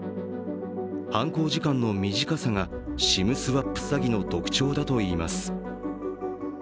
犯行時間の短さがＳＩＭスワップ詐欺の特徴だといいます。